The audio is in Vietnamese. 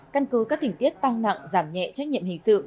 căn cứ các tỉnh tiết tăng nặng giảm nhẹ trách nhiệm hình sự